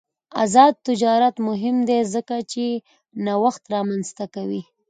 آزاد تجارت مهم دی ځکه چې نوښت رامنځته کوي.